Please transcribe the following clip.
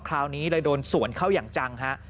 คราวนี้เลยโดนสวนเข้าอย่างจังฮะ